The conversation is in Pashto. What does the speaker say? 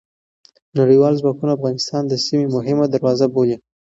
نړیوال ځواکونه افغانستان د سیمې مهمه دروازه بولي.